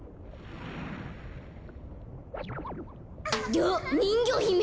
どわっにんぎょひめ？